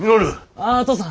ああ父さん。